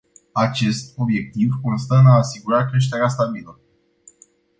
Acest obiectiv constă în a asigura creștere stabilă.